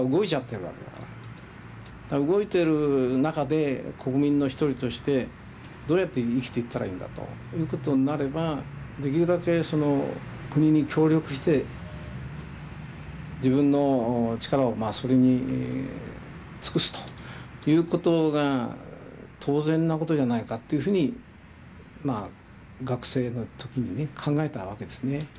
動いてる中で国民の一人としてどうやって生きていったらいいんだということになればできるだけその国に協力して自分の力をそれに尽くすということが当然なことじゃないかっていうふうにまあ学生の時にね考えたわけですね。